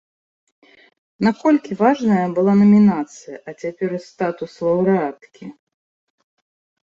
Наколькі важная была намінацыя, а цяпер і статус лаўрэаткі?